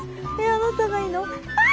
あなたがいいの。キャ！